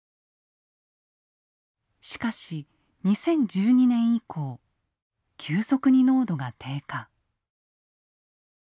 しかし２０１２年以降急速に濃度が低下。